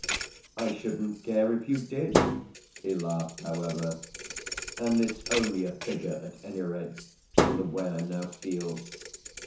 "I shouldn't care if you did!" he laughed, however; "and it's only a figure, at any rate, for the way I now feel.